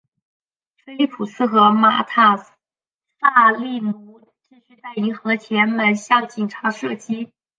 菲利普斯和马塔萨利努继续在银行的前门向警察射击。